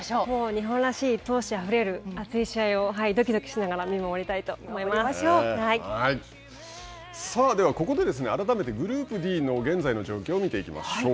日本らしい闘志あふれる、熱い試合をどきどきしながら見守りたさあ、ではここで、改めて、グループＤの現在の状況を見ていきましょう。